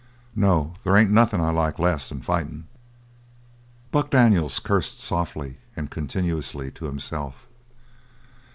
"No, there ain't nothin' I like less than fightin'!" Buck Daniels cursed softly and continuously to himself.